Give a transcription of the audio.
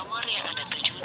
nomor yang ada berjudi